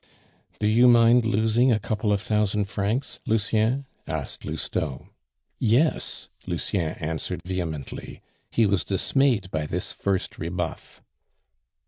"Do you mind losing a couple of thousand francs, Lucien?" asked Lousteau. "Yes!" Lucien answered vehemently. He was dismayed by this first rebuff.